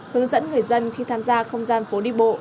hướng dẫn người dân khi tham gia không gian phố đi bộ